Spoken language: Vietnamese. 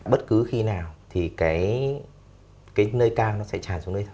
bất cứ khi nào thì cái nơi cao nó sẽ tràn xuống đây thôi